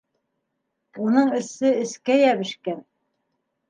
Уның эсе эскә йәбешкән.